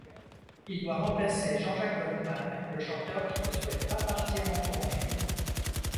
Il doit remplacer Jean-Jacques Goldman, le chanteur qui ne souhaite pas partir en tournée.